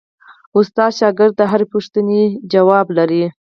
استاد د شاګرد د هرې پوښتنې ځواب لري.